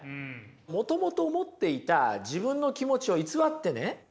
もともと持っていた自分の気持ちを偽ってね